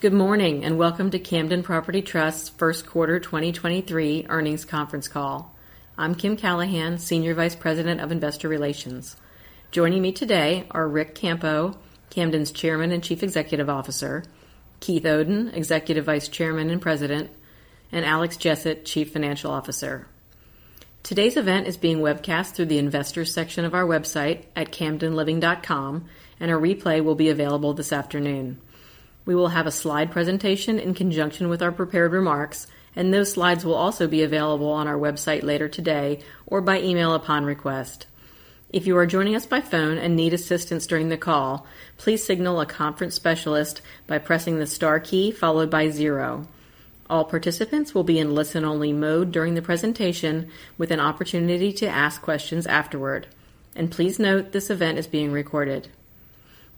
Good morning, and welcome to Camden Property Trust's first quarter 2023 earnings conference call. I'm Kim Callahan, Senior Vice President of Investor Relations. Joining me today are Ric Campo, Camden's Chairman and Chief Executive Officer; Keith Oden, Executive Vice Chairman and President; and Alex Jessett, Chief Financial Officer. Today's event is being webcast through the investors section of our website at camdenliving.com, and a replay will be available this afternoon. We will have a slide presentation in conjunction with our prepared remarks, and those slides will also be available on our website later today or by email upon request. If you are joining us by phone and need assistance during the call, please signal a conference specialist by pressing the star key followed by zero. All participants will be in listen-only mode during the presentation with an opportunity to ask questions afterward. Please note this event is being recorded.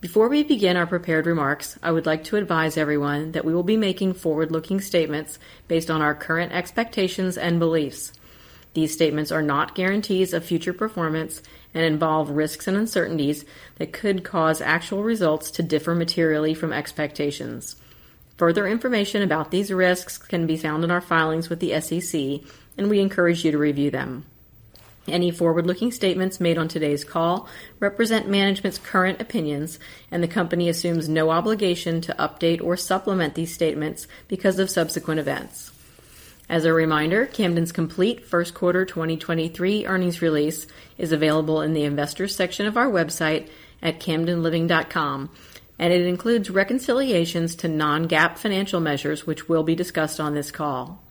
Before we begin our prepared remarks, I would like to advise everyone that we will be making forward-looking statements based on our current expectations and beliefs. These statements are not guarantees of future performance and involve risks and uncertainties that could cause actual results to differ materially from expectations. Further information about these risks can be found in our filings with the SEC, and we encourage you to review them. Any forward-looking statements made on today's call represent management's current opinions, and the company assumes no obligation to update or supplement these statements because of subsequent events. As a reminder, Camden's complete first quarter 2023 earnings release is available in the investors section of our website at camdenliving.com, and it includes reconciliations to non-GAAP financial measures which will be discussed on this call.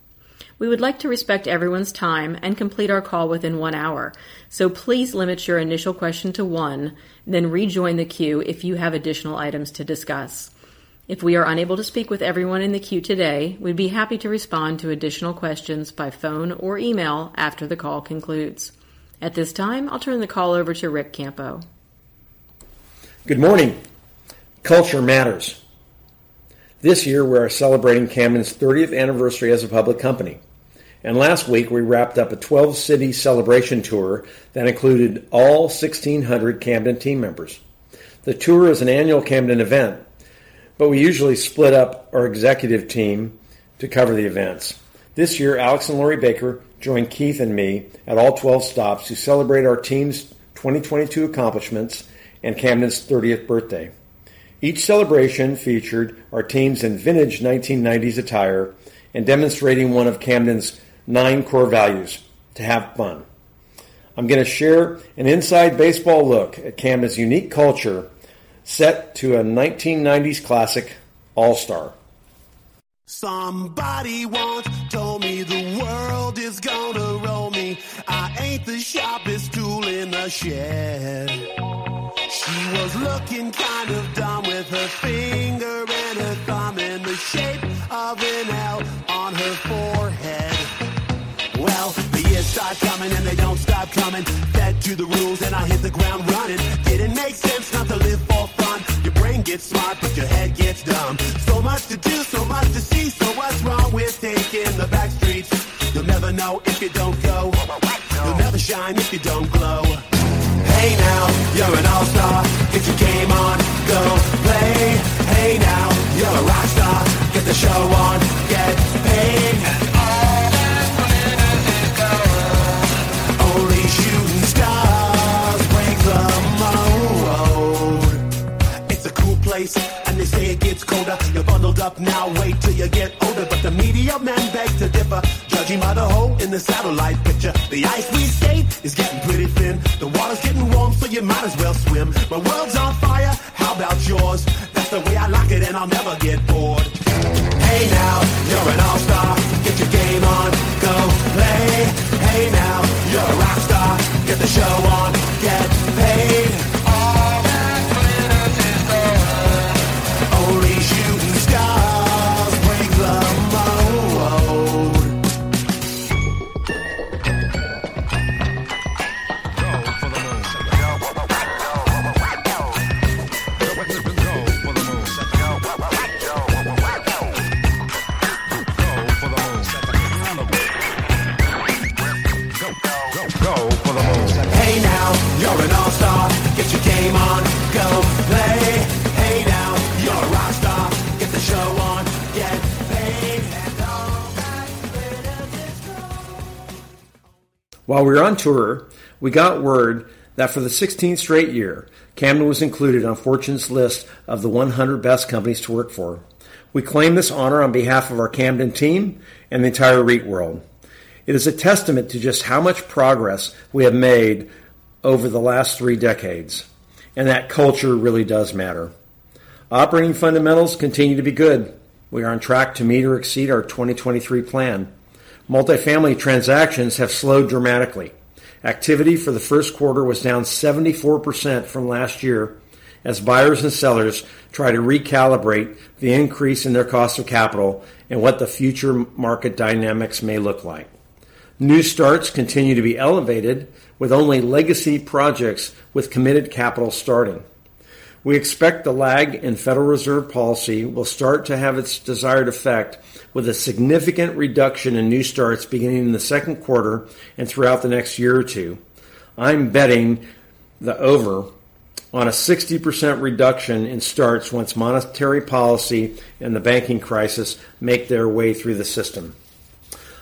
We would like to respect everyone's time and complete our call within one hour. Please limit your initial question to one, then rejoin the queue if you have additional items to discuss. If we are unable to speak with everyone in the queue today, we'd be happy to respond to additional questions by phone or email after the call concludes. At this time, I'll turn the call over to Ric Campo. Good morning. Culture matters. This year, we are celebrating Camden's 30th anniversary as a public company, and last week, we wrapped up a 12-city celebration tour that included all 1,600 Camden team members. The tour is an annual Camden event, but we usually split up our executive team to cover the events. This year, Alex and Laurie Baker joined Keith and me at all 12 stops to celebrate our team's 2022 accomplishments and Camden's 30th birthday. Each celebration featured our teams in vintage 1990s attire and demonstrating one of Camden's 9 core values to have fun. I'm gonna share an inside baseball look at Camden's unique culture set to a 1990s classic, All Star. While we were on tour, we got word that for the 16th straight year, Camden was included on Fortune's list of the 100 best companies to work for. We claim this honor on behalf of our Camden team and the entire REIT world. It is a testament to just how much progress we have made over the last 3 decades. That culture really does matter. Operating fundamentals continue to be good. We are on track to meet or exceed our 2023 plan. Multifamily transactions have slowed dramatically. Activity for the first quarter was down 74% from last year as buyers and sellers try to recalibrate the increase in their cost of capital and what the future market dynamics may look like. New starts continue to be elevated, with only legacy projects with committed capital starting. We expect the lag in Federal Reserve policy will start to have its desired effect with a significant reduction in new starts beginning in the second quarter and throughout the next year or two. I'm betting the over on a 60% reduction in starts once monetary policy and the banking crisis make their way through the system.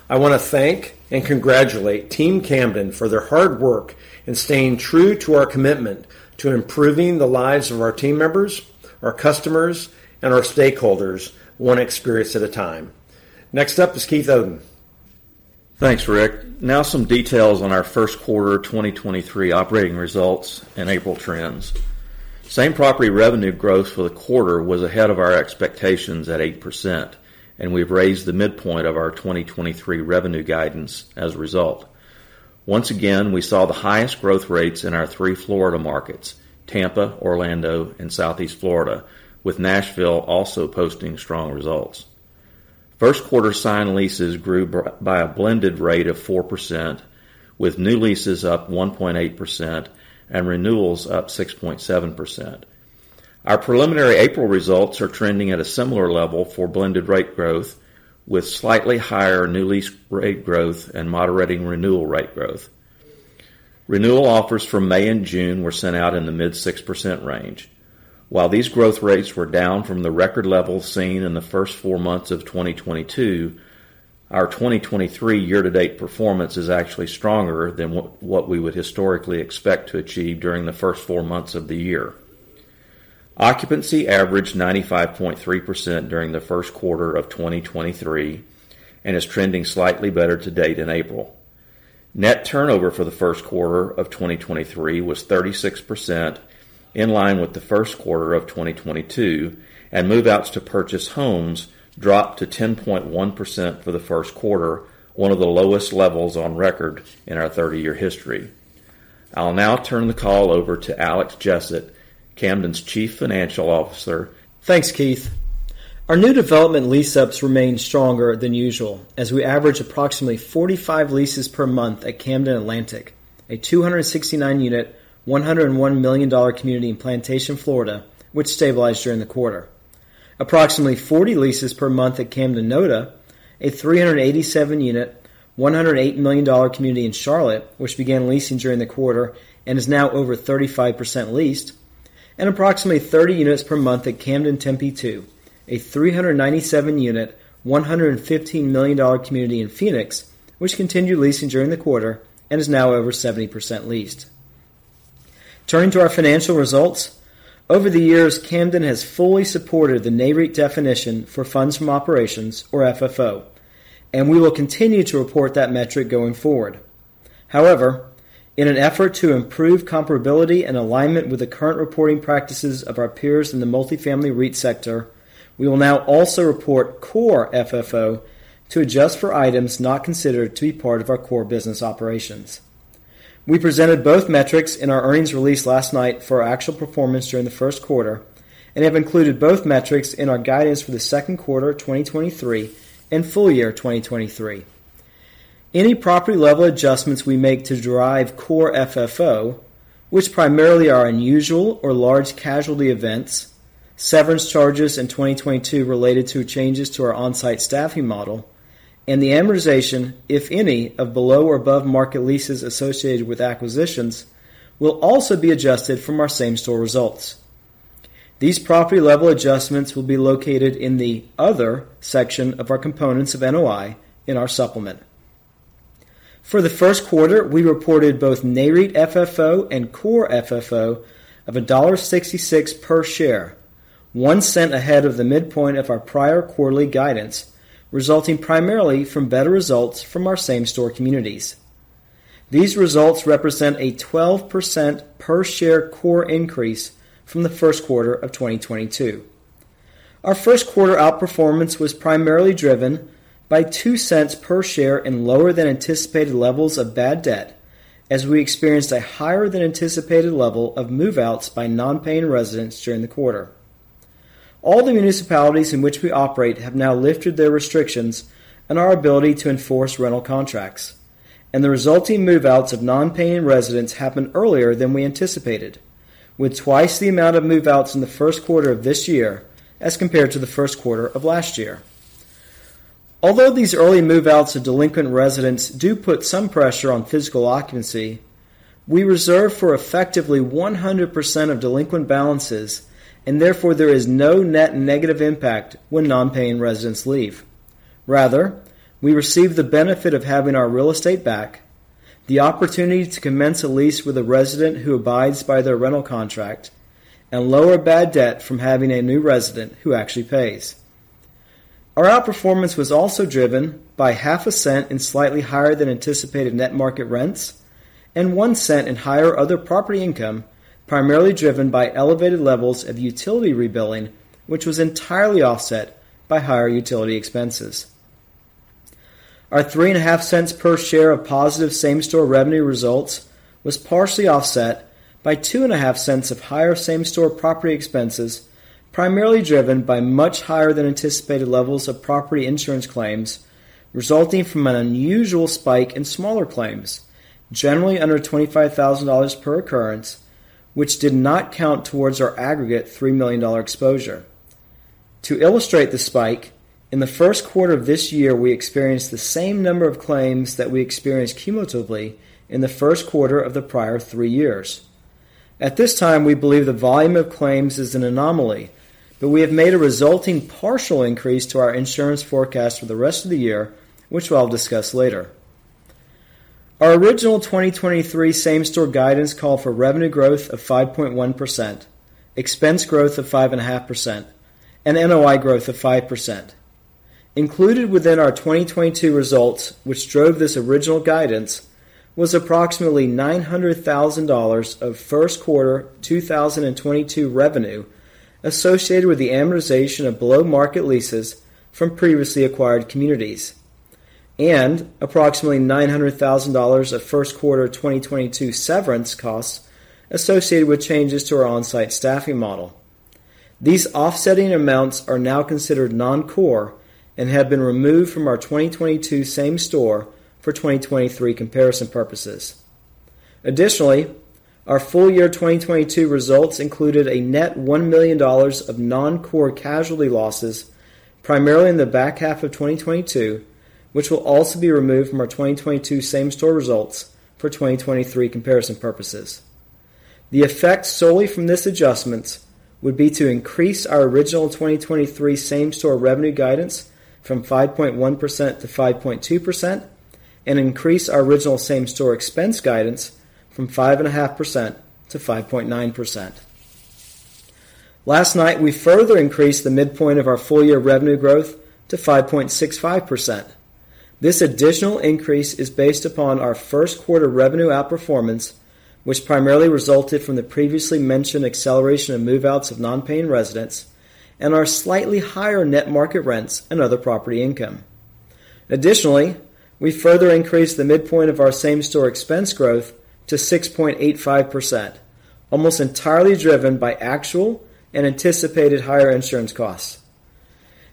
I wanna thank and congratulate Team Camden for their hard work in staying true to our commitment to improving the lives of our team members, our customers, and our stakeholders one experience at a time. Next up is Keith Oden. Thanks, Ric. Some details on our first quarter 2023 operating results and April trends. Same-property revenue growth for the quarter was ahead of our expectations at 8%. We've raised the midpoint of our 2023 revenue guidance as a result. Once again, we saw the highest growth rates in our three Florida markets: Tampa, Orlando, and Southeast Florida, with Nashville also posting strong results. First quarter signed leases grew by a blended rate of 4%, with new leases up 1.8% and renewals up 6.7%. Our preliminary April results are trending at a similar level for blended rate growth, with slightly higher new lease rate growth and moderating renewal rate growth. Renewal offers for May and June were sent out in the mid-6% range. While these growth rates were down from the record levels seen in the first four months of 2022, our 2023 year-to-date performance is actually stronger than what we would historically expect to achieve during the first four months of the year. Occupancy averaged 95.3% during the first quarter of 2023 and is trending slightly better to date in April. Net turnover for the first quarter of 2023 was 36%, in line with the first quarter of 2022, and move-outs to purchase homes dropped to 10.1% for the first quarter, one of the lowest levels on record in our 30-year history. I'll now turn the call over to Alex Jessett, Camden's Chief Financial Officer. Thanks, Keith. Our new development lease-ups remained stronger than usual as we averaged approximately 45 leases per month at Camden Atlantic, a 269 unit, $101 million community in Plantation, Florida, which stabilized during the quarter. Approximately 40 leases per month at Camden Noda, a 387 unit, $108 million community in Charlotte, which began leasing during the quarter and is now over 35% leased. Approximately 30 units per month at Camden Tempe II, a 397 unit, $115 million community in Phoenix, which continued leasing during the quarter and is now over 70% leased. Turning to our financial results, over the years, Camden has fully supported the Nareit definition for funds from operations, or FFO, we will continue to report that metric going forward. However, in an effort to improve comparability and alignment with the current reporting practices of our peers in the multifamily REIT sector, we will now also report Core FFO to adjust for items not considered to be part of our core business operations. We presented both metrics in our earnings release last night for our actual performance during the first quarter and have included both metrics in our guidance for the second quarter 2023 and full year 2023. Any property level adjustments we make to derive Core FFO, which primarily are unusual or large casualty events, severance charges in 2022 related to changes to our on-site staffing model, and the amortization, if any, of below or above market leases associated with acquisitions, will also be adjusted from our same store results. These property level adjustments will be located in the other section of our components of NOI in our supplement. For the first quarter, we reported both Nareit FFO and Core FFO of $1.66 per share, $0.01 ahead of the midpoint of our prior quarterly guidance, resulting primarily from better results from our same store communities. These results represent a 12% per share core increase from the first quarter of 2022. Our first quarter outperformance was primarily driven by $0.02 per share in lower than anticipated levels of bad debt as we experienced a higher than anticipated level of move-outs by non-paying residents during the quarter. All the municipalities in which we operate have now lifted their restrictions on our ability to enforce rental contracts. The resulting move-outs of non-paying residents happened earlier than we anticipated, with twice the amount of move-outs in the first quarter of this year as compared to the first quarter of last year. Although these early move-outs of delinquent residents do put some pressure on physical occupancy, we reserve for effectively 100% of delinquent balances. Therefore, there is no net negative impact when non-paying residents leave. Rather, we receive the benefit of having our real estate back, the opportunity to commence a lease with a resident who abides by their rental contract, and lower bad debt from having a new resident who actually pays. Our outperformance was also driven by half a cent in slightly higher than anticipated net market rents and $0.01 in higher other property income, primarily driven by elevated levels of utility rebilling, which was entirely offset by higher utility expenses. Our three and a half cents per share of positive same-store revenue results was partially offset by two and a half cents of higher same-store property expenses, primarily driven by much higher than anticipated levels of property insurance claims resulting from an unusual spike in smaller claims, generally under $25,000 per occurrence, which did not count towards our aggregate $3 million dollar exposure. To illustrate the spike, in the first quarter of this year, we experienced the same number of claims that we experienced cumulatively in the first quarter of the prior 3 years. At this time, we believe the volume of claims is an anomaly, but we have made a resulting partial increase to our insurance forecast for the rest of the year, which I'll discuss later. Our original 2023 same-store guidance called for revenue growth of 5.1%, expense growth of 5.5%, and NOI growth of 5%. Included within our 2022 results, which drove this original guidance, was approximately $900,000 of first quarter 2022 revenue associated with the amortization of below-market leases from previously acquired communities and approximately $900,000 of first quarter 2022 severance costs associated with changes to our on-site staffing model. These offsetting amounts are now considered non-core and have been removed from our 2022 same-store for 2023 comparison purposes. Additionally, our full year 2022 results included a net $1 million of non-core casualty losses, primarily in the back half of 2022, which will also be removed from our 2022 same-store results for 2023 comparison purposes. The effect solely from this adjustment would be to increase our original 2023 same-store revenue guidance from 5.1% to 5.2% and increase our original same-store expense guidance from 5.5% to 5.9%. Last night, we further increased the midpoint of our full year revenue growth to 5.65%. This additional increase is based upon our first quarter revenue outperformance, which primarily resulted from the previously mentioned acceleration of move-outs of non-paying residents and our slightly higher net market rents and other property income. Additionally, we further increased the midpoint of our same-store expense growth to 6.85%, almost entirely driven by actual and anticipated higher insurance costs.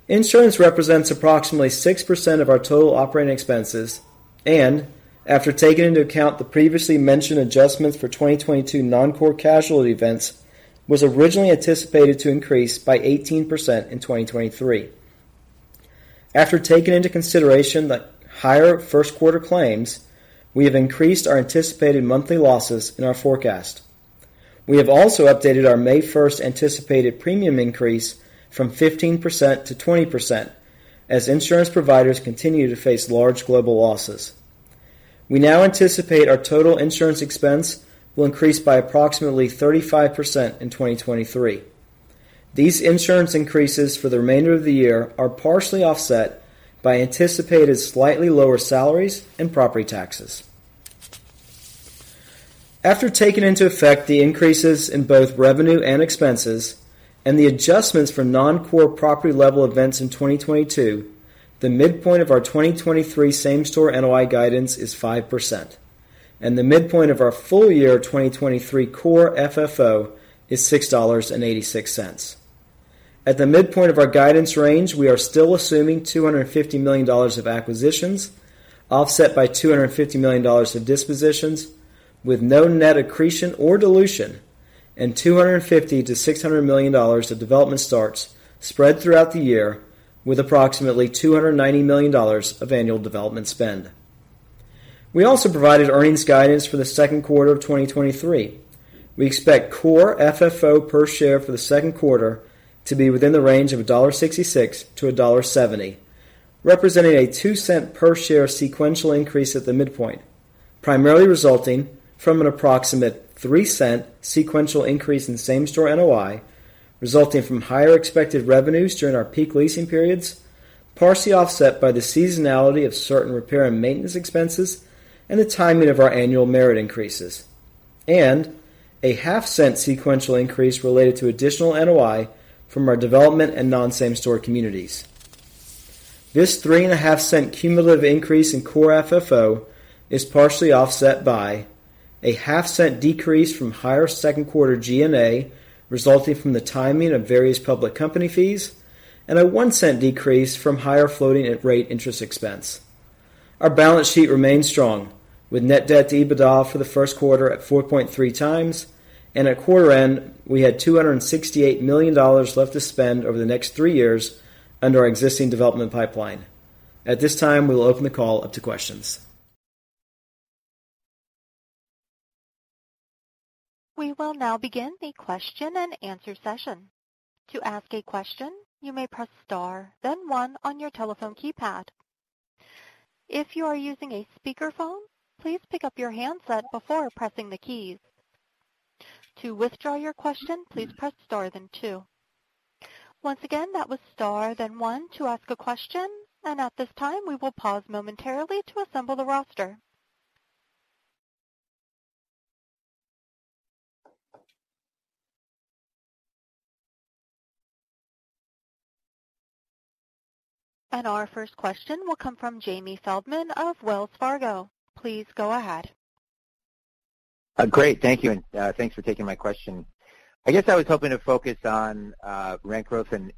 Insurance represents approximately 6% of our total operating expenses and, after taking into account the previously mentioned adjustments for 2022 non-core casualty events, was originally anticipated to increase by 18% in 2023. After taking into consideration the higher first quarter claims, we have increased our anticipated monthly losses in our forecast. We have also updated our May first anticipated premium increase from 15%-20% as insurance providers continue to face large global losses. We now anticipate our total insurance expense will increase by approximately 35% in 2023. These insurance increases for the remainder of the year are partially offset by anticipated slightly lower salaries and property taxes. After taking into effect the increases in both revenue and expenses and the adjustments for non-core property level events in 2022, the midpoint of our 2023 same-store NOI guidance is 5%. The midpoint of our full year 2023 Core FFO is $6.86. At the midpoint of our guidance range, we are still assuming $250 million of acquisitions, offset by $250 million of dispositions with no net accretion or dilution and $250 million-$600 million of development starts spread throughout the year with approximately $290 million of annual development spend. We also provided earnings guidance for the second quarter of 2023. We expect Core FFO per share for the second quarter to be within the range of $1.66-$1.70, representing a $0.02 per share sequential increase at the midpoint, primarily resulting from an approximate $0.03 sequential increase in same-store NOI, resulting from higher expected revenues during our peak leasing periods, partially offset by the seasonality of certain repair and maintenance expenses and the timing of our annual merit increases, and a half cent sequential increase related to additional NOI from our development and non-same-store communities. This three and a half cent cumulative increase in Core FFO is partially offset by a half cent decrease from higher second quarter G&A resulting from the timing of various public company fees and a $0.01 decrease from higher floating at rate interest expense. Our balance sheet remains strong with net debt to EBITDA for the first quarter at 4.3 times, and at quarter end, we had $268 million left to spend over the next three years under our existing development pipeline. At this time, we will open the call up to questions. We will now begin the question and answer session. To ask a question, you may press Star, then one on your telephone keypad. If you are using a speakerphone, please pick up your handset before pressing the keys. To withdraw your question, please press Star then two. Once again, that was Star, then one to ask a question. At this time, we will pause momentarily to assemble the roster. Our first question will come from Jamie Feldman of Wells Fargo. Please go ahead. Great. Thank you, thanks for taking my question. I guess I was hoping to focus on rent growth in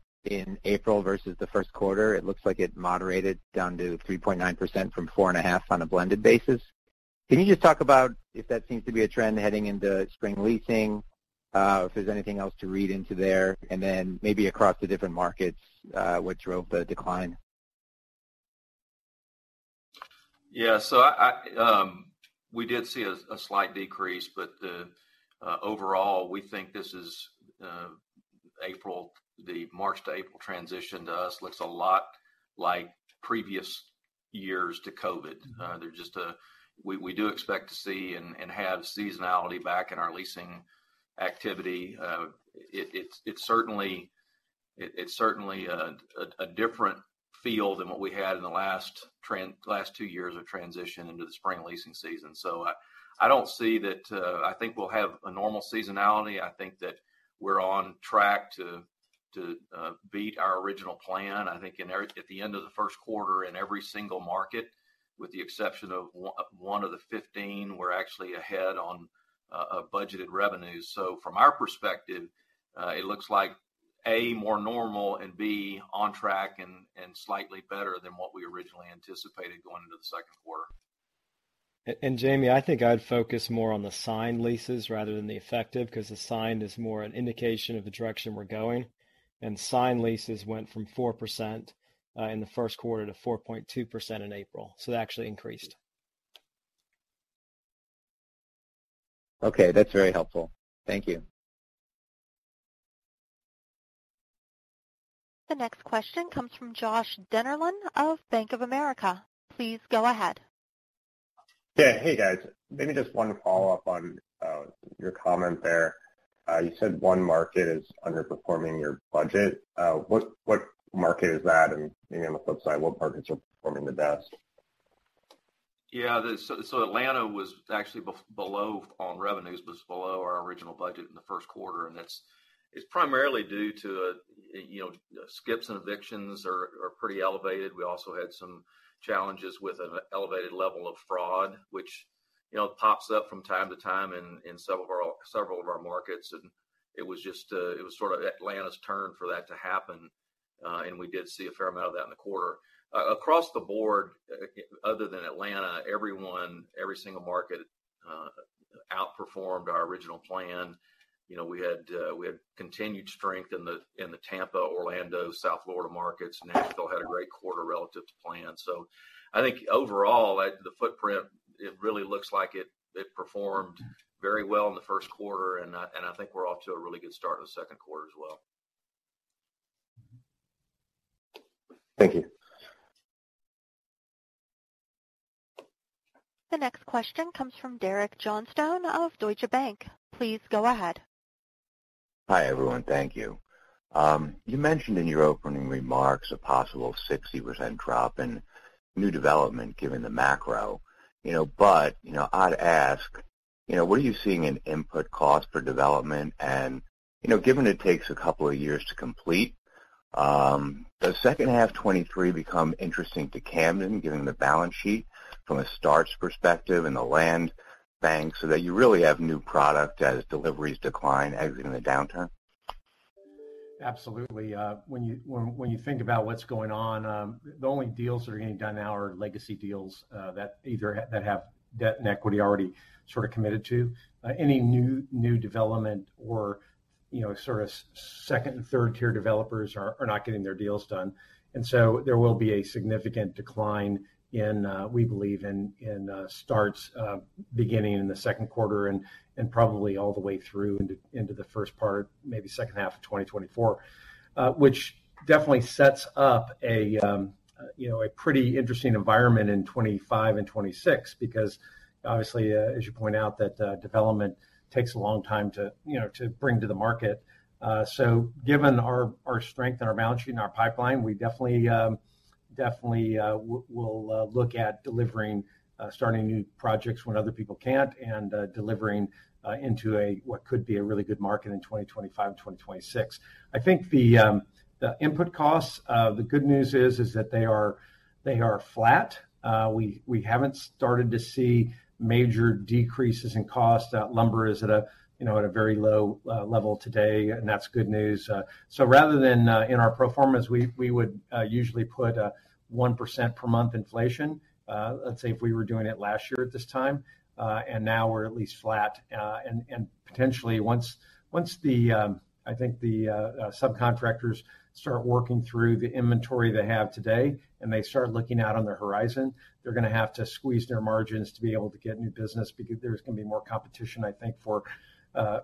April versus the first quarter. It looks like it moderated down to 3.9% from 4.5% on a blended basis. Can you just talk about if that seems to be a trend heading into spring leasing, if there's anything else to read into there? Then maybe across the different markets, what drove the decline? I, we did see a slight decrease, overall, we think this is April. The March to April transition to us looks a lot like previous years to COVID. We do expect to see and have seasonality back in our leasing activity. It's certainly a different feel than what we had in the last 2 years of transition into the spring leasing season. I don't see that. I think we'll have a normal seasonality. I think that we're on track to beat our original plan. I think at the end of the first quarter in every single market, with the exception of 1 of the 15, we're actually ahead on budgeted revenues. From our perspective, it looks like, A, more normal, and B, on track and slightly better than what we originally anticipated going into the second quarter. Jamie, I think I'd focus more on the signed leases rather than the effective, because the signed is more an indication of the direction we're going. Signed leases went from 4% in the first quarter to 4.2% in April. That actually increased. Okay. That's very helpful. Thank you. The next question comes from Josh Dennerlein of Bank of America. Please go ahead. Yeah. Hey, guys. Maybe just one follow-up on your comment there. You said one market is underperforming your budget. What market is that? Maybe on the flip side, what markets are performing the best? Yeah. So Atlanta was actually below on revenues, was below our original budget in the first quarter, and it's primarily due to, you know, skips and evictions are pretty elevated. We also had some challenges with an elevated level of fraud, which, you know, pops up from time to time in several of our markets. It was just, it was sort of Atlanta's turn for that to happen, and we did see a fair amount of that in the quarter. Across the board, other than Atlanta, everyone, every single market, outperformed our original plan. You know, we had continued strength in the Tampa, Orlando, South Florida markets. Nashville had a great quarter relative to plan. I think overall, at the footprint, it really looks like it performed very well in the first quarter, and I think we're off to a really good start in the second quarter as well. Thank you. The next question comes from Derek Johnston of Deutsche Bank. Please go ahead. Hi, everyone. Thank you. You mentioned in your opening remarks a possible 60% drop in new development given the macro. You know, I'd ask, you know, what are you seeing in input costs for development? You know, given it takes a couple of years to complete, does second half 2023 become interesting to Camden given the balance sheet from a starts perspective and the land bank, so that you really have new product as deliveries decline as in the downturn? Absolutely. When you think about what's going on, the only deals that are getting done now are legacy deals that have debt and equity already sort of committed to. Any new development or, you know, sort of second- and third-tier developers are not getting their deals done. There will be a significant decline in, we believe, in starts beginning in the second quarter and probably all the way through into the first part, maybe second half of 2024. Which definitely sets up a, you know, a pretty interesting environment in 2025 and 2026 because obviously, as you point out, that development takes a long time to, you know, to bring to the market. Given our strength and our balance sheet and our pipeline, we definitely will look at delivering, starting new projects when other people can't and delivering into a what could be a really good market in 2025 and 2026. I think the input costs, the good news is that they are flat. We haven't started to see major decreases in cost. Lumber is at a, you know, at a very low level today, that's good news. Rather than in our pro formas, we would usually put a 1% per month inflation, let's say if we were doing it last year at this time. Now we're at least flat. Potentially once the, I think the subcontractors start working through the inventory they have today and they start looking out on their horizon, they're gonna have to squeeze their margins to be able to get new business because there's gonna be more competition, I think,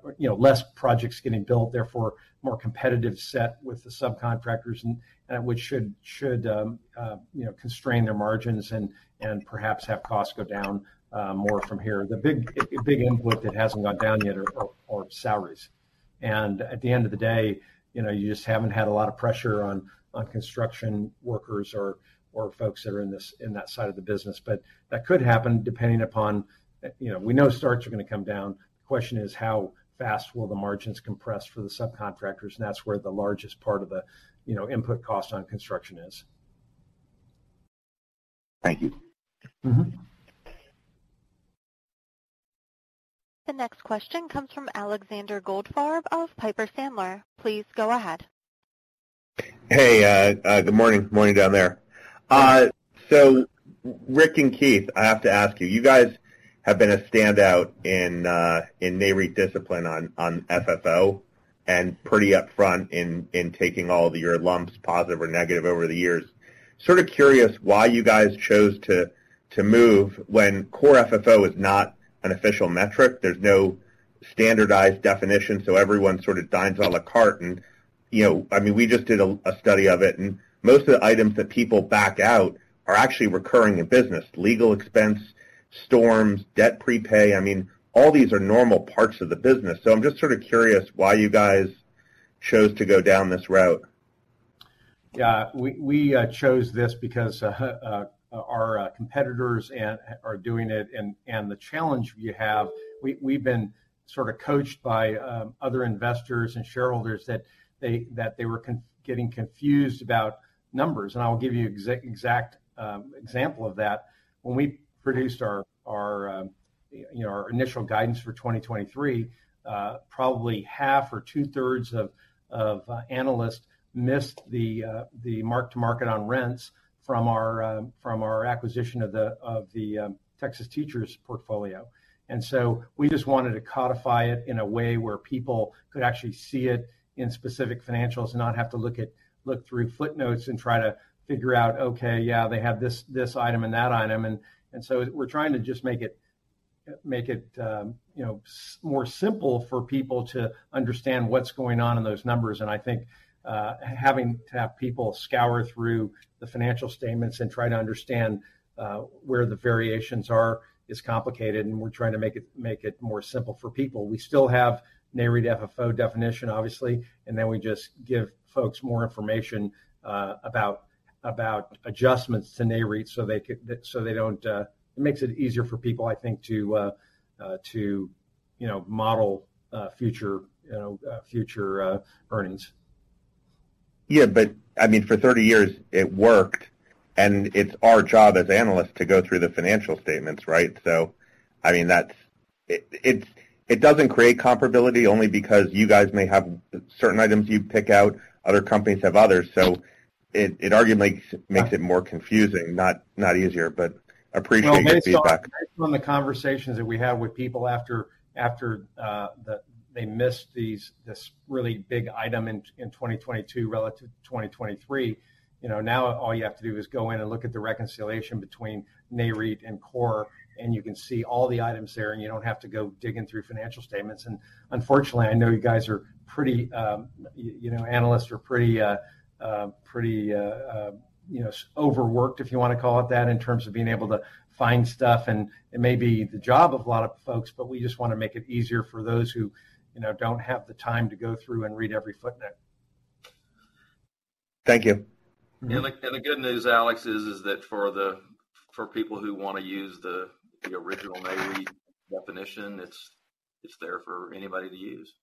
for, you know, less projects getting built, therefore more competitive set with the subcontractors and which should, you know, constrain their margins and perhaps have costs go down more from here. The big input that hasn't gone down yet are salaries. At the end of the day, you know, you just haven't had a lot of pressure on construction workers or folks that are in that side of the business. That could happen depending upon, you know, we know starts are gonna come down. The question is, how fast will the margins compress for the subcontractors? That's where the largest part of the, you know, input cost on construction is. Thank you. Mm-hmm. The next question comes from Alexander Goldfarb of Piper Sandler. Please go ahead. Hey, good morning. Morning down there. Ric and Keith, I have to ask you guys have been a standout in Nareit discipline on FFO, and pretty upfront in taking all of your lumps, positive or negative over the years. Sort of curious why you guys chose to move when Core FFO is not an official metric. There's no standardized definition, everyone sort of dines à la carte and, you know, I mean, we just did a study of it, and most of the items that people back out are actually recurring in business: legal expense, storms, debt prepay. I mean, all these are normal parts of the business. I'm just sort of curious why you guys chose to go down this route. Yeah. We chose this because our competitors are doing it. The challenge we have, we've been sort of coached by other investors and shareholders that they were getting confused about numbers. I'll give you exact example of that. When we produced our, you know, our initial guidance for 2023, probably half or two-thirds of analysts missed the mark-to-market on rents from our acquisition of the Texas Teachers portfolio. We just wanted to codify it in a way where people could actually see it in specific financials and not have to look through footnotes and try to figure out, okay, yeah, they have this item and that item. We're trying to just make it, you know, more simple for people to understand what's going on in those numbers. I think, having to have people scour through the financial statements and try to understand, where the variations are is complicated, and we're trying to make it more simple for people. We still have Nareit FFO definition, obviously, and then we just give folks more information, about adjustments to Nareit so they can. So they don't. It makes it easier for people, I think, to, you know, model, future, you know, future, earnings. I mean, for 30 years it worked, and it's our job as analysts to go through the financial statements, right? I mean, that's. It doesn't create comparability only because you guys may have certain items you pick out, other companies have others. It arguably makes it more confusing, not easier, appreciate the feedback. Based on the conversations that we have with people after they missed these, this really big item in 2022 relative to 2023. You know, now all you have to do is go in and look at the reconciliation between Nareit and core, and you can see all the items there, and you don't have to go digging through financial statements. Unfortunately, I know you guys are pretty, you know, analysts are pretty, you know, overworked, if you wanna call it that, in terms of being able to find stuff. It may be the job of a lot of folks, but we just wanna make it easier for those who, you know, don't have the time to go through and read every footnote. Thank you. Mm-hmm. The good news, Alex, is that for people who wanna use the original Nareit definition, it's there for anybody to use.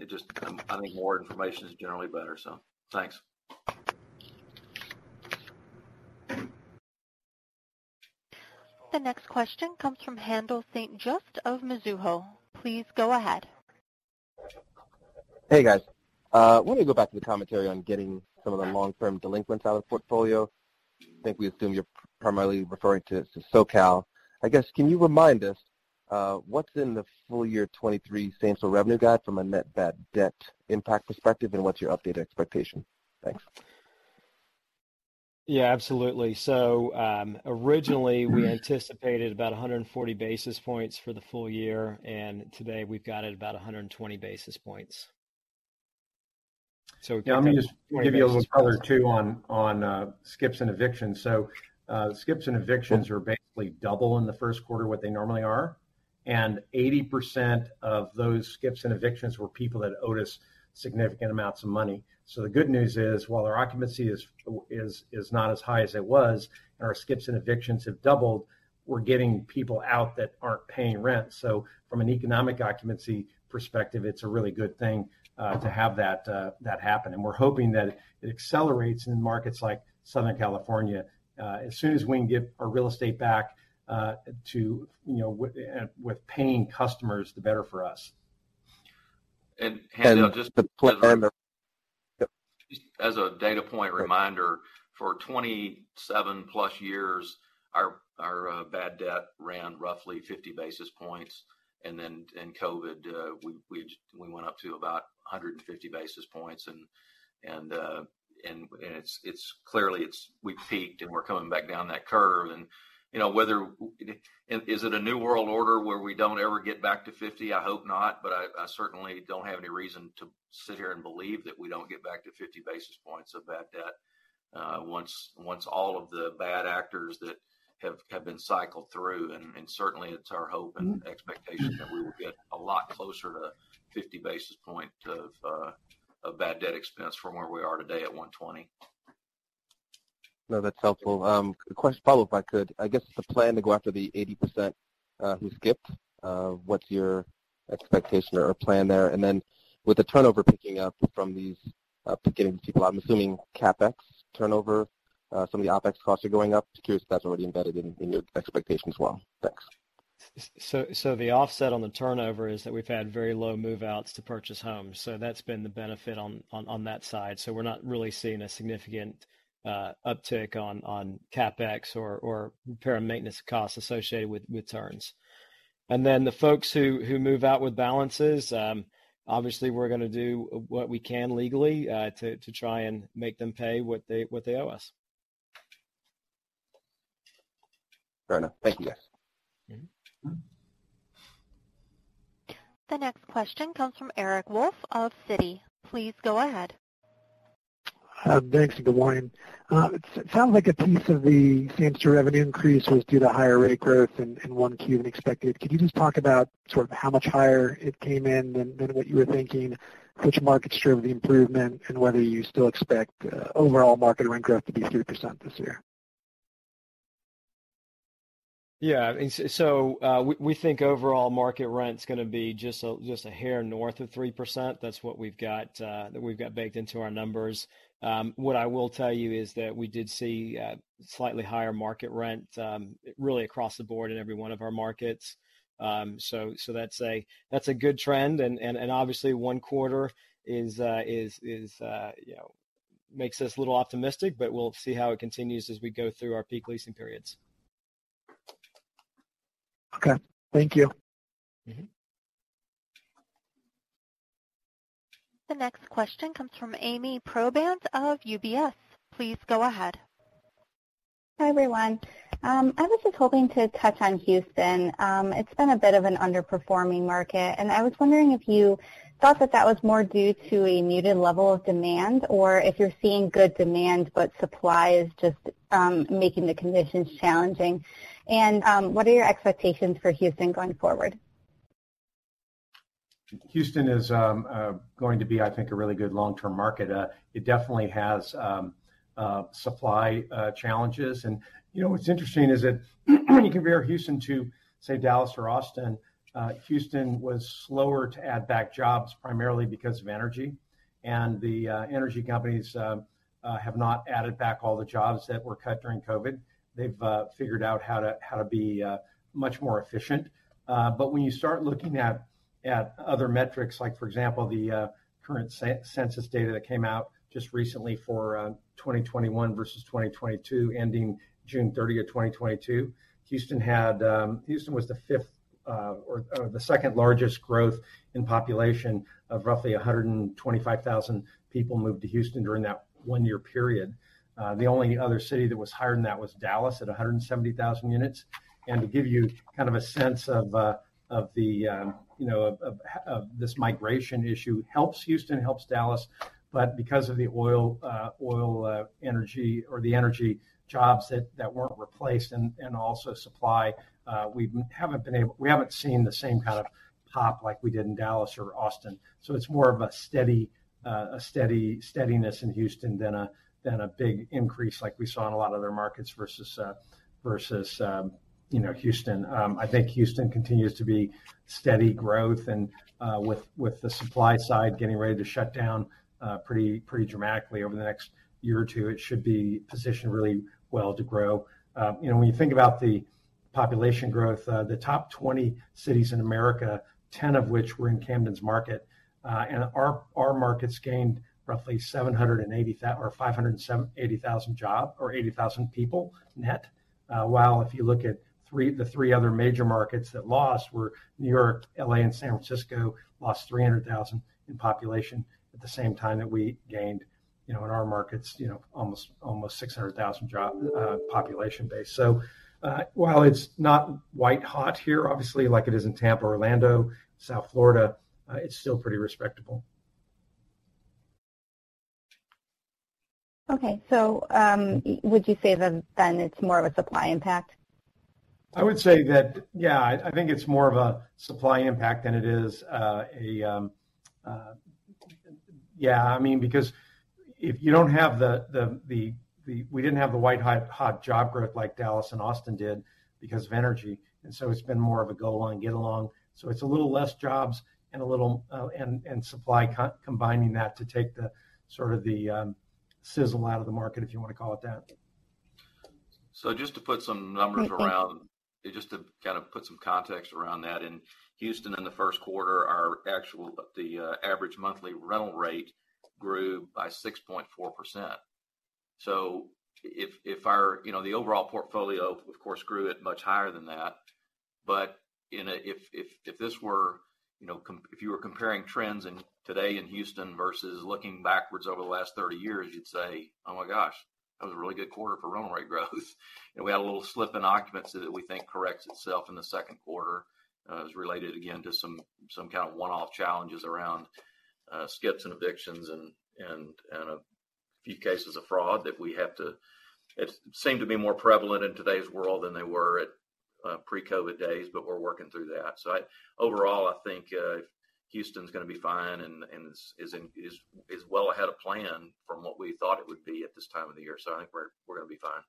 It just... I think more information is generally better. Thanks. The next question comes from Haendel St. Juste of Mizuho. Please go ahead. Hey, guys. Why don't we go back to the commentary on getting some of the long-term delinquents out of the portfolio. I think we assume you're primarily referring to SoCal. I guess, can you remind us, what's in the full year 23 same-store revenue guide from a net bad debt impact perspective, and what's your updated expectation? Thanks. Yeah, absolutely. Originally we anticipated about 140 basis points for the full year, and today we've got it about 120 basis points. Yeah, let me just give you a little color too on skips and evictions. Skips and evictions are basically double in Q1 what they normally are, and 80% of those skips and evictions were people that owed us significant amounts of money. The good news is, while our occupancy is not as high as it was and our skips and evictions have doubled, we're getting people out that aren't paying rent. From an economic occupancy perspective, it's a really good thing to have that happen. We're hoping that it accelerates in markets like Southern California. As soon as we can get our real estate back, you know, with paying customers, the better for us. Haendel, just as. And- As a data point reminder, for 27 plus years, our bad debt ran roughly 50 basis points. Then in COVID, we went up to about 150 basis points. It's clearly we've peaked, and we're coming back down that curve. You know, Is it a new world order where we don't ever get back to 50? I hope not, but I certainly don't have any reason to sit here and believe that we don't get back to 50 basis points of bad debt once all of the bad actors that have been cycled through. Certainly it's our hope and expectation that we will get a lot closer to 50 basis point of bad debt expense from where we are today at 120. No, that's helpful. A follow-up, if I could. I guess, the plan to go after the 80% who skipped, what's your expectation or plan there? Then with the turnover picking up from these, getting people, I'm assuming CapEx turnover... Some of the OpEx costs are going up. Just curious if that's already embedded in your expectations well? Thanks. The offset on the turnover is that we've had very low move-outs to purchase homes, so that's been the benefit on that side. We're not really seeing a significant uptick on CapEx or repair and maintenance costs associated with turns. And then the folks who move out with balances, obviously we're gonna do what we can legally to try and make them pay what they owe us. Fair enough. Thank you, guys. Mm-hmm. The next question comes from Eric Wolfe of Citi. Please go ahead. Thanks, good morning. It sounds like a piece of the same-store revenue increase was due to higher rate growth in 1Q than expected. Could you just talk about sort of how much higher it came in than what you were thinking, which markets drove the improvement, and whether you still expect overall market rent growth to be 3% this year? Yeah, we think overall market rent's gonna be just a hair north of 3%. That's what we've got that we've got baked into our numbers. What I will tell you is that we did see slightly higher market rent really across the board in every one of our markets. So that's a good trend. Obviously one quarter is, you know, makes us a little optimistic, but we'll see how it continues as we go through our peak leasing periods. Okay, thank you. Mm-hmm. The next question comes from Ami Probandt of UBS. Please go ahead. Hi, everyone. I was just hoping to touch on Houston. It's been a bit of an underperforming market, and I was wondering if you thought that that was more due to a muted level of demand, or if you're seeing good demand but supply is just making the conditions challenging. What are your expectations for Houston going forward? Houston is going to be, I think, a really good long-term market. It definitely has supply challenges. You know, what's interesting is that when you compare Houston to, say, Dallas or Austin, Houston was slower to add back jobs primarily because of energy. The energy companies have not added back all the jobs that were cut during COVID. They've figured out how to be much more efficient. When you start looking at other metrics like, for example, the current census data that came out just recently for 2021 versus 2022, ending June 30th, 2022, Houston had Houston was the 5th or the 2nd largest growth in population of roughly 125,000 people moved to Houston during that 1-year period. The only other city that was higher than that was Dallas at 170,000 units. To give you kind of a sense of the, you know, of this migration issue, it helps Houston, it helps Dallas. Because of the oil, energy or the energy jobs that weren't replaced and also supply, we haven't seen the same kind of pop like we did in Dallas or Austin. It's more of a steady steadiness in Houston than a big increase like we saw in a lot of other markets versus, you know, Houston. I think Houston continues to be steady growth and, with the supply side getting ready to shut down, pretty dramatically over the next year or 2, it should be positioned really well to grow. You know, when you think about the population growth, the top 20 cities in America, 10 of which were in Camden's market, our markets gained roughly 80,000 people net. If you look at the 3 other major markets that lost were New York, L.A., and San Francisco lost 300,000 in population at the same time that we gained, you know, in our markets, you know, almost 600,000 job, population base. While it's not white hot here, obviously, like it is in Tampa, Orlando, South Florida, it's still pretty respectable. Okay. Would you say then it's more of a supply impact? I would say that, yeah. I think it's more of a supply impact than it is. Yeah, I mean, because We didn't have the white hot job growth like Dallas and Austin did because of energy. It's been more of a go along, get along. It's a little less jobs and a little, and supply combining that to take the sort of the sizzle out of the market, if you wanna call it that. just to put some numbers. Okay, thank you. Just to kind of put some context around that. In Houston in the first quarter, our actual, the average monthly rental rate grew by 6.4%. If our, you know, the overall portfolio, of course, grew at much higher than that. If this were, you know, If you were comparing trends in today in Houston versus looking backwards over the last 30 years, you'd say, "Oh my gosh, that was a really good quarter for rental rate growth." We had a little slip in occupancy that we think corrects itself in the second quarter, is related again to some kind of one-off challenges around skips and evictions and a few cases of fraud that we have to. It seemed to be more prevalent in today's world than they were at pre-COVID days, but we're working through that. Overall, I think Houston's gonna be fine and is well ahead of plan from what we thought it would be at this time of the year. I think we're gonna be fine.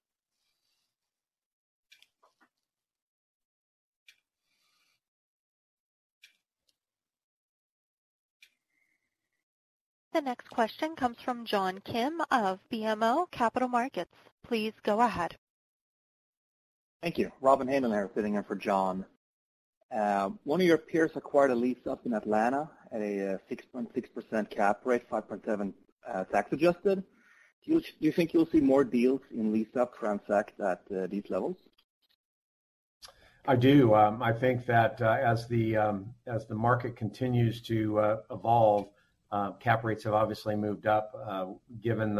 The next question comes from John Kim of BMO Capital Markets. Please go ahead. Thank you. Rohan Kapoor here sitting in for John. One of your peers acquired a lease up in Atlanta at a 6.6% cap rate, 5.7% tax adjusted. Do you think you'll see more deals in lease up transacted at these levels? I do. I think that as the market continues to evolve, cap rates have obviously moved up given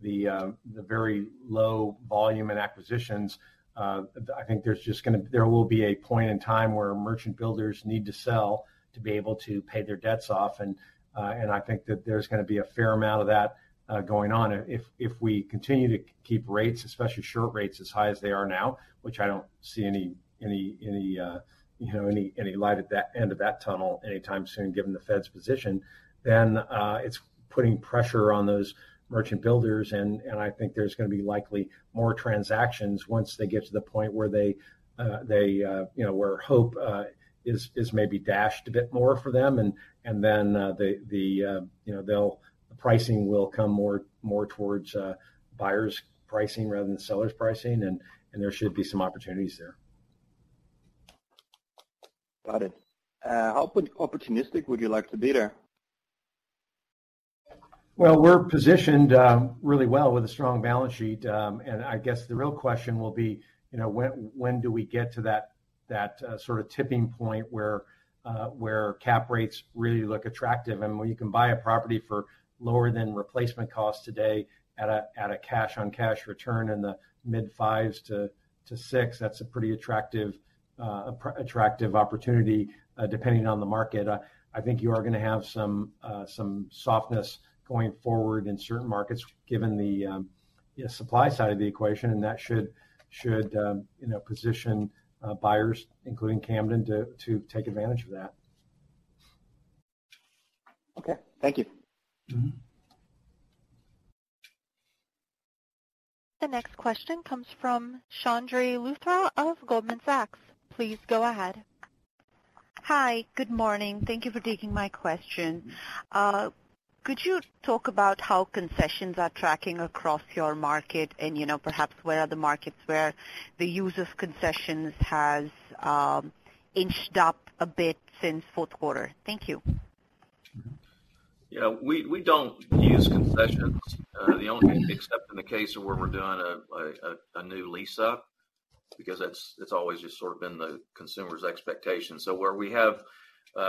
the very low volume in acquisitions. I think there will be a point in time where merchant builders need to sell to be able to pay their debts off and I think that there's gonna be a fair amount of that going on. If we continue to keep rates, especially short rates as high as they are now, which I don't see any, you know, any light at that end of that tunnel anytime soon, given the Fed's position, then it's putting pressure on those merchant builders. I think there's gonna be likely more transactions once they get to the point where they, you know, where hope is maybe dashed a bit more for them. Then, the, you know, Pricing will come more towards buyers pricing rather than sellers pricing and there should be some opportunities there. Got it. How opportunistic would you like to be there? We're positioned really well with a strong balance sheet. I guess the real question will be, you know, when do we get to that sort of tipping point where cap rates really look attractive? I mean, when you can buy a property for lower than replacement cost today at a cash-on-cash return in the mid-5s% to 6%, that's a pretty attractive opportunity, depending on the market. I think you are gonna have some softness going forward in certain markets given the, you know, supply side of the equation. That should, you know, position buyers, including Camden, to take advantage of that. Okay. Thank you. Mm-hmm. The next question comes from Chandni Luthra of Goldman Sachs. Please go ahead. Hi. Good morning. Thank you for taking my question. Could you talk about how concessions are tracking across your market? You know, perhaps where are the markets where the use of concessions has inched up a bit since fourth quarter? Thank you. You know, we don't use concessions. Except in the case of where we're doing a new lease up because it's always just sort of been the consumer's expectation. Where we have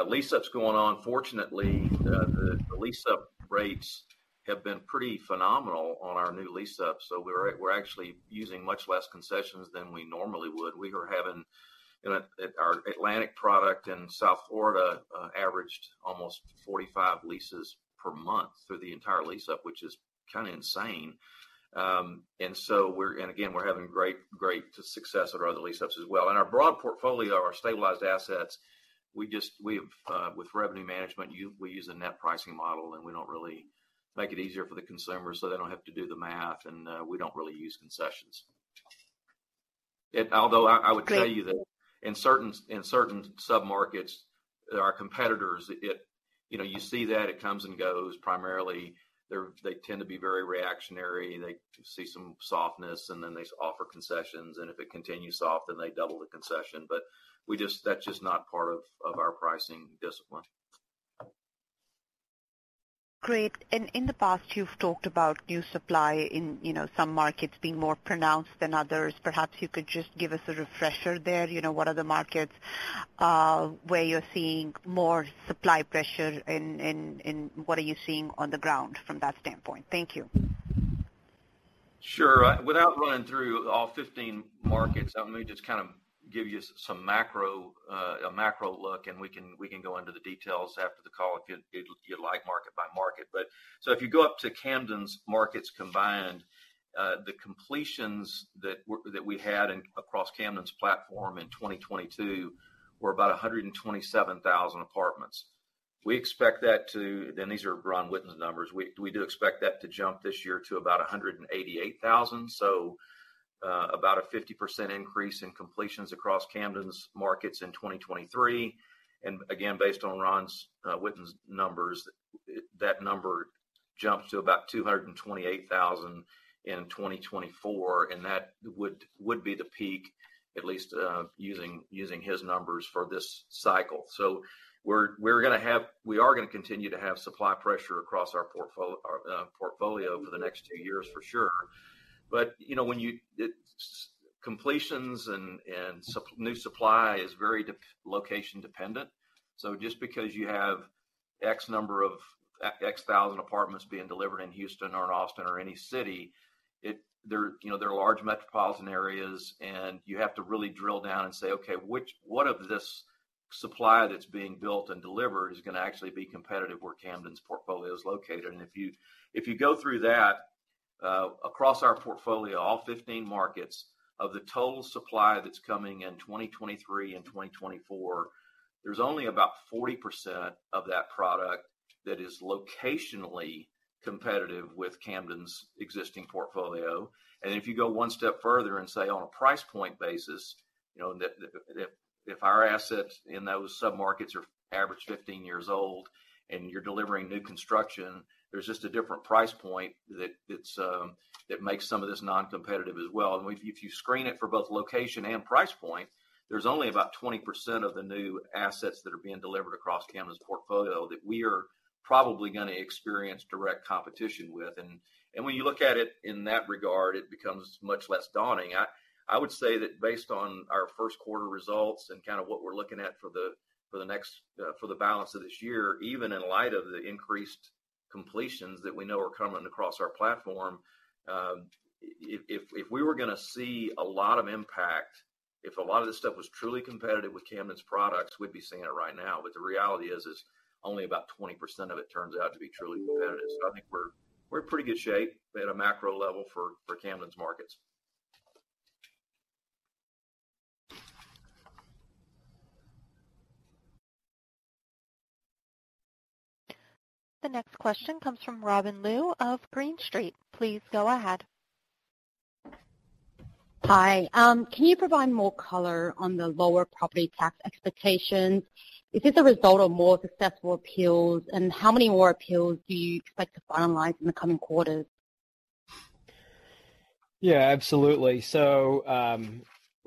lease ups going on, fortunately, the lease up rates have been pretty phenomenal on our new lease up. We're actually using much less concessions than we normally would. We are having... You know, at our Atlantic product in South Florida, averaged almost 45 leases per month through the entire lease up, which is kind of insane. Again, we're having great success at our other lease ups as well. In our broad portfolio, our stabilized assets, we just... We've, with revenue management, we use a net pricing model. We don't really make it easier for the consumer, so they don't have to do the math. We don't really use concessions. Although I would tell you that. Great. In certain sub-markets, our competitors, you know, you see that it comes and goes. Primarily they tend to be very reactionary. They see some softness, and then they offer concessions, and if it continues soft, then they double the concession. That's just not part of our pricing discipline. Great. In the past you've talked about new supply in, you know, some markets being more pronounced than others. Perhaps you could just give us a refresher there. You know, what are the markets, where you're seeing more supply pressure and what are you seeing on the ground from that standpoint? Thank you. Sure. Without running through all 15 markets, let me just kind of give you some macro, a macro look, and we can go into the details after the call if you'd like market by market. If you go up to Camden's markets combined, the completions that we had across Camden's platform in 2022 were about 127,000 apartments. We expect that to. These are Ron Whitten's numbers. We do expect that to jump this year to about 188,000. About a 50% increase in completions across Camden's markets in 2023. Again, based on Ron Whitten's numbers, that number jumps to about 228,000 in 2024, and that would be the peak at least, using his numbers for this cycle. We are gonna continue to have supply pressure across our portfolio over the next 2 years for sure. You know, It's Completions and new supply is very location dependent. Just because you have X thousand apartments being delivered in Houston or in Austin or any city, They're, you know, they're large metropolitan areas, and you have to really drill down and say, okay, What of this supply that's being built and delivered is gonna actually be competitive where Camden's portfolio is located? If you go through that across our portfolio, all 15 markets of the total supply that's coming in 2023 and 2024, there's only about 40% of that product that is locationally competitive with Camden's existing portfolio. If you go one step further and say on a price point basis, you know, that if our assets in those sub-markets are average 15 years old and you're delivering new construction, there's just a different price point that it's that makes some of this non-competitive as well. If you screen it for both location and price point, there's only about 20% of the new assets that are being delivered across Camden's portfolio that we are probably gonna experience direct competition with. When you look at it in that regard, it becomes much less daunting. I would say that based on our first quarter results and kind of what we're looking at for the balance of this year, even in light of the increased completions that we know are coming across our platform, if we were gonna see a lot of impact, if a lot of this stuff was truly competitive with Camden's products, we'd be seeing it right now. The reality is, only about 20% of it turns out to be truly competitive. I think we're in pretty good shape at a macro level for Camden's markets. The next question comes from Robin Lu of Green Street. Please go ahead. Hi. Can you provide more color on the lower property tax expectations? Is this a result of more successful appeals? How many more appeals do you expect to finalize in the coming quarters? Yeah, absolutely.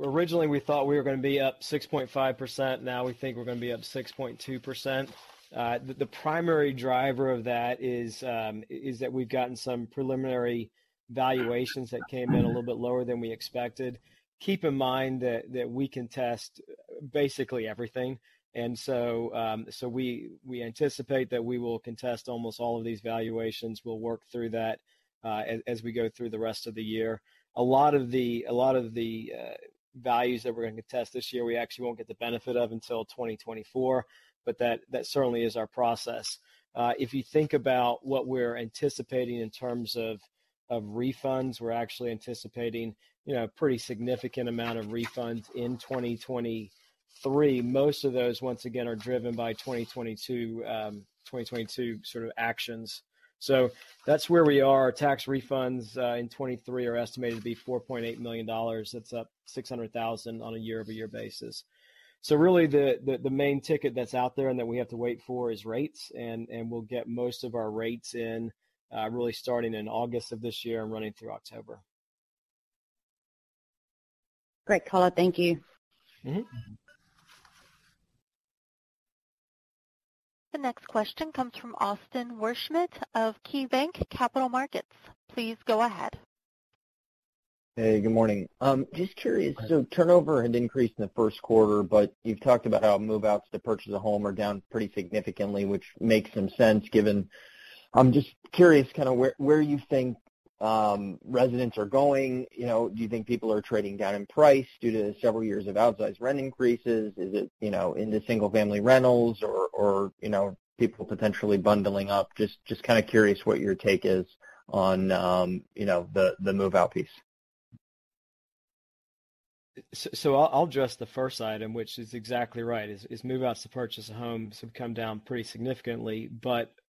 Originally we thought we were gonna be up 6.5%, now we think we're gonna be up 6.2%. The primary driver of that is that we've gotten some preliminary valuations that came in a little bit lower than we expected. Keep in mind that we contest basically everything. We anticipate that we will contest almost all of these valuations. We'll work through that as we go through the rest of the year. A lot of the values that we're gonna contest this year, we actually won't get the benefit of until 2024, but that certainly is our process. If you think about what we're anticipating in terms of refunds, we're actually anticipating, you know, a pretty significant amount of refunds in 2023. Most of those, once again, are driven by 2022 sort of actions. That's where we are. Tax refunds in 2023 are estimated to be $4.8 million. That's up $600,000 on a year-over-year basis. Really the main ticket that's out there and that we have to wait for is rates, and we'll get most of our rates in really starting in August of this year and running through October. Great call out. Thank you. Mm-hmm. The next question comes from Austin Wurschmidt of KeyBanc Capital Markets. Please go ahead. Hey, good morning. Just curious. Turnover had increased in the first quarter, but you've talked about how move-outs to purchase a home are down pretty significantly, which makes some sense given... I'm just curious kind of where you think residents are going. You know, do you think people are trading down in price due to several years of outsized rent increases? Is it, you know, into single family rentals or, you know, people potentially bundling up? Just kinda curious what your take is on, you know, the move-out piece. I'll address the first item, which is exactly right, is move-outs to purchase homes have come down pretty significantly.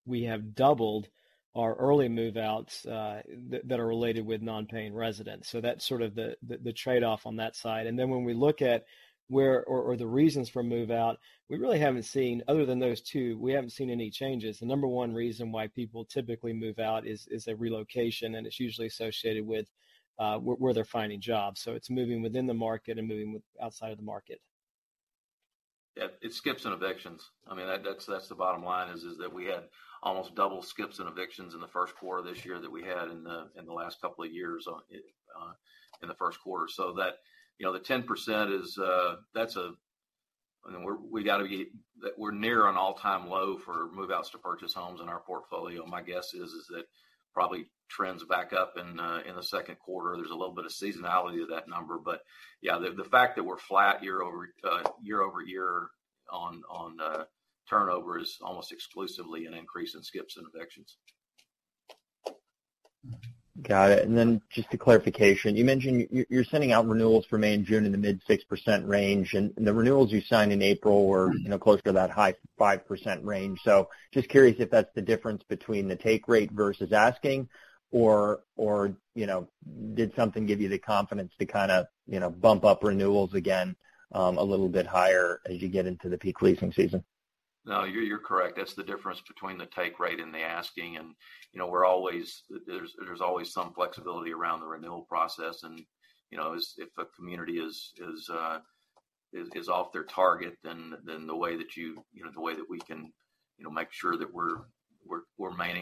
We have doubled our early move-outs that are related with non-paying residents. That's sort of the trade-off on that side. When we look at where or the reasons for move-out, we really haven't seen other than those two, we haven't seen any changes. The number one reason why people typically move out is a relocation, and it's usually associated with where they're finding jobs. It's moving within the market and moving with outside of the market. Yeah. It's skips and evictions. I mean, that's the bottom line is that we had almost double skips and evictions in the first quarter this year than we had in the last couple of years in the first quarter. That, you know, the 10% is. I mean, We're near an all-time low for move-outs to purchase homes in our portfolio. My guess is that probably trends back up in the second quarter. There's a little bit of seasonality to that number. Yeah, the fact that we're flat year over year on turnover is almost exclusively an increase in skips and evictions. Got it. Just a clarification. You mentioned you're sending out renewals for May and June in the mid-6% range, and the renewals you signed in April were, you know, closer to that high 5% range. Just curious if that's the difference between the take rate versus asking or, you know, did something give you the confidence to kind of, you know, bump up renewals again, a little bit higher as you get into the peak leasing season? No, you're correct. That's the difference between the take rate and the asking. You know, there's always some flexibility around the renewal process. You know, if a community is off their target, then you know, the way that we can, you know, make sure that we're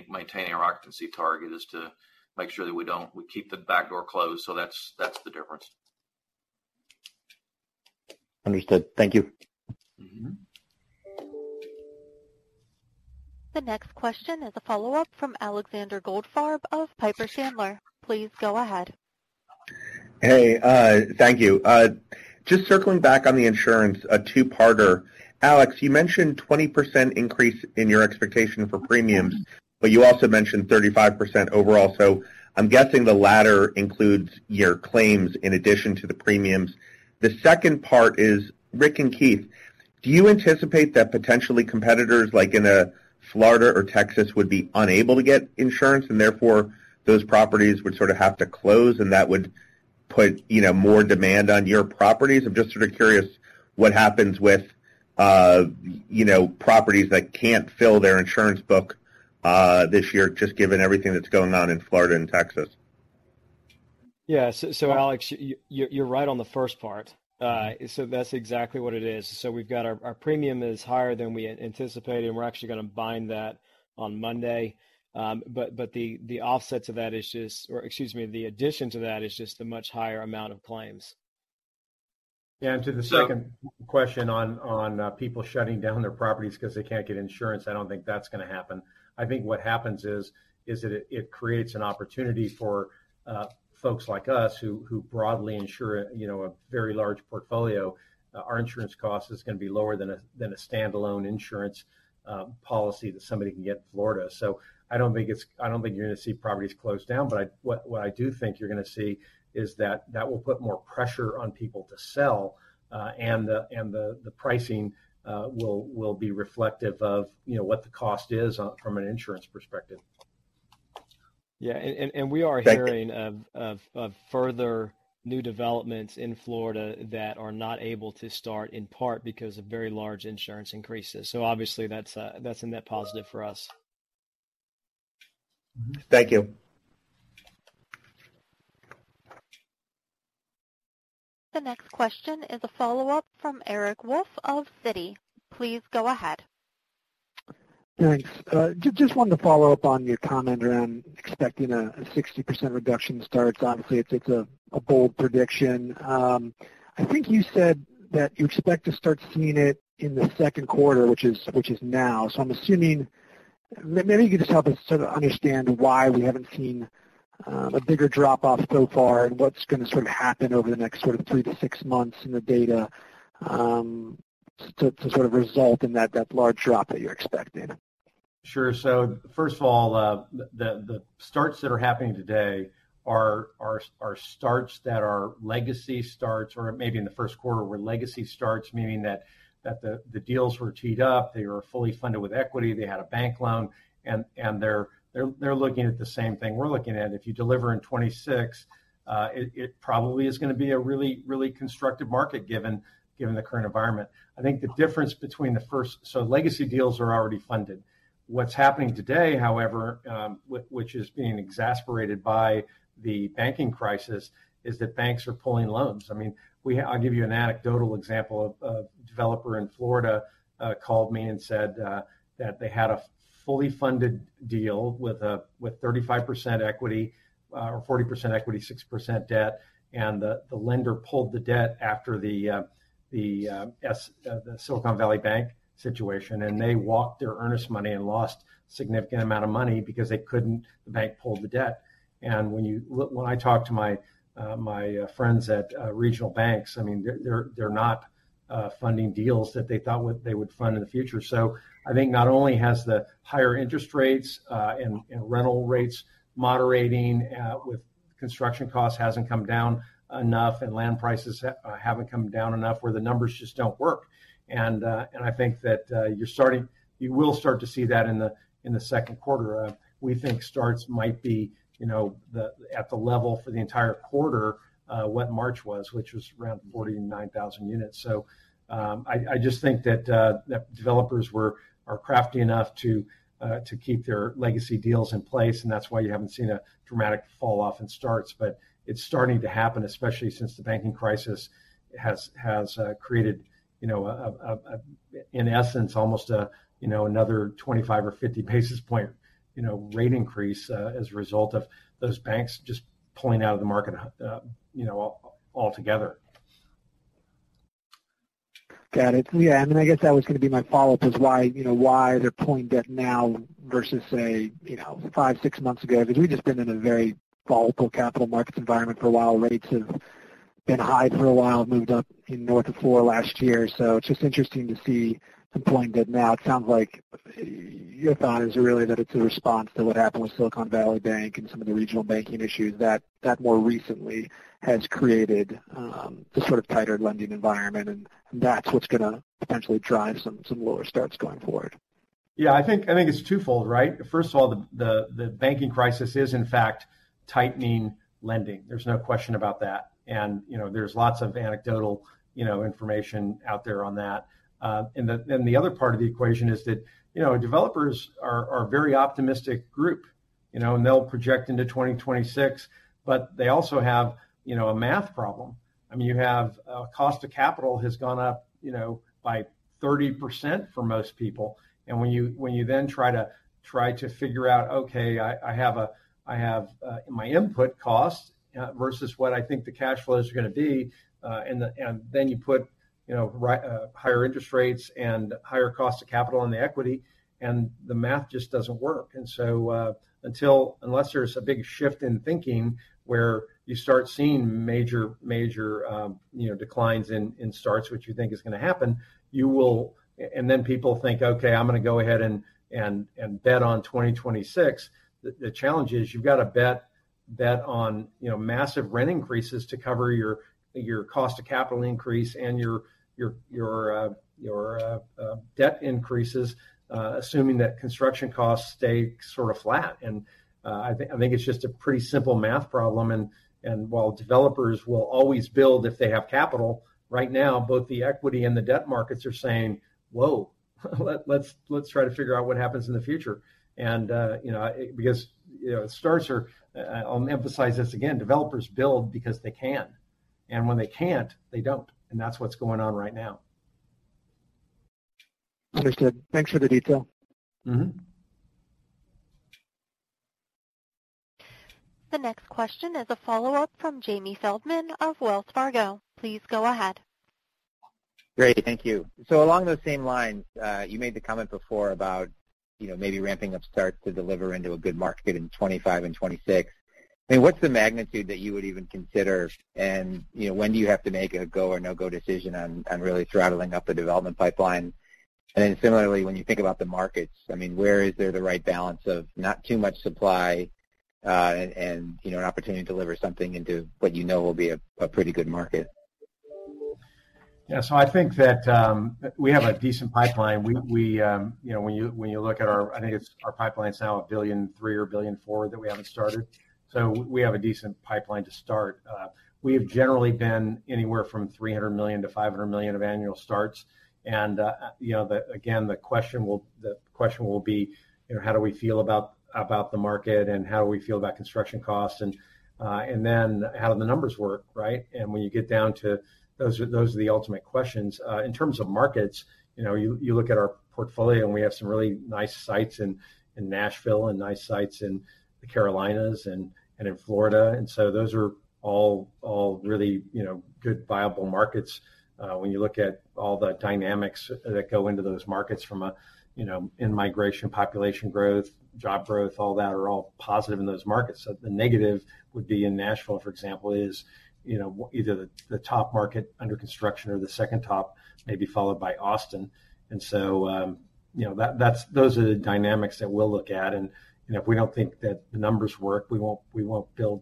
maintaining our occupancy target is to make sure that we keep the back door closed. That's the difference. Understood. Thank you. Mm-hmm. The next question is a follow-up from Alexander Goldfarb of Piper Sandler. Please go ahead. Hey, thank you. Just circling back on the insurance, a two-parter. Alex, you mentioned 20% increase in your expectation for premiums, but you also mentioned 35% overall. I'm guessing the latter includes your claims in addition to the premiums. The second part is, Ric and Keith Do you anticipate that potentially competitors like in Florida or Texas would be unable to get insurance and therefore those properties would sort of have to close and that would put, you know, more demand on your properties? I'm just sort of curious what happens with, you know, properties that can't fill their insurance book this year just given everything that's going on in Florida and Texas? Alex, you're right on the first part. That's exactly what it is. We've got our premium is higher than we anticipated, and we're actually gonna bind that on Monday. But the offsets of that or excuse me, the addition to that is just the much higher amount of claims. Yeah. To the second question on, people shutting down their properties 'cause they can't get insurance, I don't think that's gonna happen. I think what happens is that it creates an opportunity for, folks like us who broadly insure, you know, a very large portfolio. Our insurance cost is gonna be lower than a standalone insurance, policy that somebody can get in Florida. I don't think you're gonna see properties closed down, but what I do think you're gonna see is that that will put more pressure on people to sell, and the pricing will be reflective of, you know, what the cost is from an insurance perspective. Yeah. we are Thank you.... of further new developments in Florida that are not able to start in part because of very large insurance increases. Obviously that's a net positive for us. Thank you. The next question is a follow-up from Eric Wolfe of Citi. Please go ahead. Thanks. Just wanted to follow up on your comment around expecting a 60% reduction starts. Obviously, it's a bold prediction. I think you said that you expect to start seeing it in the second quarter, which is now. I'm assuming. Maybe you could just help us sort of understand why we haven't seen a bigger drop-off so far and what's gonna sort of happen over the next sort of three to six months in the data to sort of result in that large drop that you're expecting. Sure. First of all, the starts that are happening today are starts that are legacy starts, or maybe in the first quarter were legacy starts, meaning that the deals were teed up, they were fully funded with equity, they had a bank loan, and they're looking at the same thing we're looking at. If you deliver in 2026, it probably is gonna be a really constructive market given the current environment. Legacy deals are already funded. What's happening today, however, which is being exacerbated by the banking crisis, is that banks are pulling loans. I mean, I'll give you an anecdotal example of a developer in Florida, called me and said, that they had a fully funded deal with 35% equity, or 40% equity, 6% debt, and the lender pulled the debt after the Silicon Valley Bank situation. They walked their earnest money and lost significant amount of money because the bank pulled the debt. When I talk to my friends at regional banks, I mean, they're not funding deals that they thought they would fund in the future. I think not only has the higher interest rates, and rental rates moderating, with construction costs hasn't come down enough and land prices haven't come down enough where the numbers just don't work. I think that, you will start to see that in the, in the second quarter. We think starts might be, you know, at the level for the entire quarter, what March was, which was around 49,000 units. I just think that developers are crafty enough to keep their legacy deals in place, and that's why you haven't seen a dramatic fall-off in starts. It's starting to happen, especially since the banking crisis has created in essence, almost another 25 or 50 basis point rate increase as a result of those banks just pulling out of the market altogether. Got it. Yeah. I guess that was gonna be my follow-up is why, you know, why they're pulling debt now versus, say, you know, five, six months ago, 'cause we've just been in a very volatile capital markets environment for a while. Rates have been high for a while, moved up in north of four last year. It's just interesting to see them pulling debt now. It sounds like your thought is really that it's a response to what happened with Silicon Valley Bank and some of the regional banking issues that more recently has created, the sort of tighter lending environment, and that's what's gonna potentially drive some lower starts going forward. Yeah. I think, I think it's twofold, right? First of all, the, the banking crisis is in fact tightening lending. There's no question about that. You know, there's lots of anecdotal, you know, information out there on that. The other part of the equation is that, you know, developers are a very optimistic group, you know, and they'll project into 2026, but they also have, you know, a math problem. I mean, you have, cost of capital has gone up, you know, by 30% for most people. When you then try to figure out, okay, I have my input costs versus what I think the cash flows are gonna be, and then you put, you know, higher interest rates and higher cost of capital on the equity, and the math just doesn't work. So, until unless there's a big shift in thinking where you start seeing major, you know, declines in starts, which you think is gonna happen, you will... Then people think, "Okay, I'm gonna go ahead and bet on 2026," the challenge is you've got to Bet on, you know, massive rent increases to cover your cost of capital increase and your debt increases, assuming that construction costs stay sort of flat. I think it's just a pretty simple math problem. While developers will always build if they have capital, right now both the equity and the debt markets are saying, "Whoa. Let's try to figure out what happens in the future." Because, you know, starts are. I'll emphasize this again, developers build because they can. When they can't, they don't, and that's what's going on right now. Understood. Thanks for the detail. Mm-hmm. The next question is a follow-up from Jamie Feldman of Wells Fargo. Please go ahead. Great. Thank you. Along those same lines, you made the comment before about, you know, maybe ramping up starts to deliver into a good market in 2025 and 2026. I mean, what's the magnitude that you would even consider and, you know, when do you have to make a go or no-go decision on really throttling up the development pipeline? Similarly, when you think about the markets, I mean, where is there the right balance of not too much supply, and, you know, an opportunity to deliver something into what you know will be a pretty good market? Yeah. I think that, we have a decent pipeline. We, you know, I think it's, our pipeline's now $1.3 billion or $1.4 billion that we haven't started. We have a decent pipeline to start. We have generally been anywhere from $300 million-$500 million of annual starts. You know, the question will be, you know, how do we feel about the market, and how do we feel about construction costs, and then how do the numbers work, right? When you get down to those are the ultimate questions. In terms of markets, you know, you look at our portfolio and we have some really nice sites in Nashville and nice sites in the Carolinas and in Florida. Those are all really, you know, good viable markets. When you look at all the dynamics that go into those markets from a, you know, in-migration, population growth, job growth, all that, are all positive in those markets. The negative would be in Nashville, for example, is, you know, either the top market under construction or the second top, maybe followed by Austin. You know, that's, those are the dynamics that we'll look at. If we don't think that the numbers work, we won't build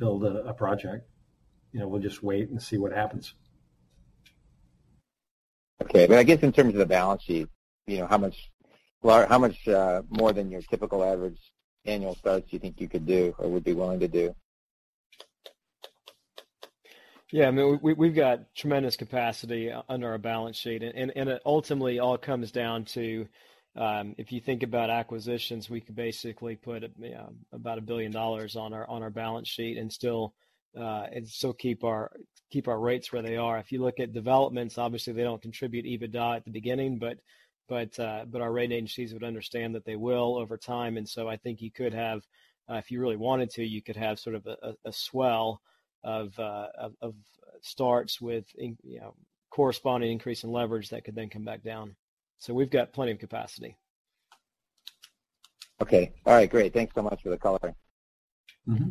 a project. You know, we'll just wait and see what happens. Okay. I guess in terms of the balance sheet, you know, how much more than your typical average annual starts do you think you could do or would be willing to do? Yeah. I mean, we've got tremendous capacity under our balance sheet. It ultimately all comes down to, if you think about acquisitions, we could basically put about $1 billion on our balance sheet and still keep our rates where they are. If you look at developments, obviously they don't contribute EBITDA at the beginning, but our rating agencies would understand that they will over time. I think you could have, if you really wanted to, you could have sort of a swell of starts with in, you know, corresponding increase in leverage that could then come back down. We've got plenty of capacity. Okay. All right. Great. Thanks so much for the color. Mm-hmm.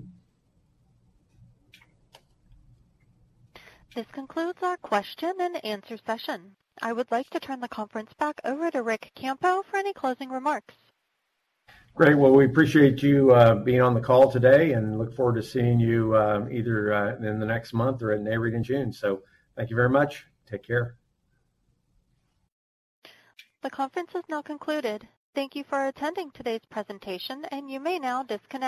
This concludes our question and answer session. I would like to turn the conference back over to Ric Campo for any closing remarks. Great. Well, we appreciate you being on the call today, and look forward to seeing you either in the next month or at Nareit in June. Thank you very much. Take care. The conference has now concluded. Thank you for attending today's presentation. You may now disconnect.